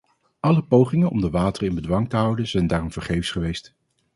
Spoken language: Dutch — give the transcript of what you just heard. Alle pogingen om de wateren in bedwang te houden zijn daarom vergeefs geweest.